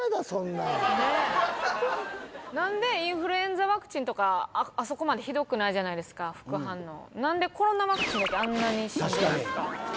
そんなん何でインフルエンザワクチンとかあそこまでひどくないじゃないですか副反応何でコロナワクチンだけあんなにしんどいんですか？